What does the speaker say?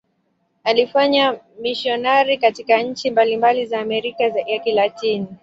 Alifanya umisionari katika nchi mbalimbali za Amerika ya Kilatini.